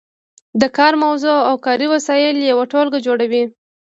د کار موضوع او کاري وسایل یوه ټولګه جوړوي.